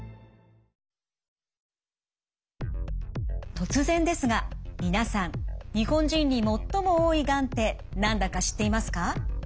突然ですが皆さん日本人に最も多いがんって何だか知っていますか？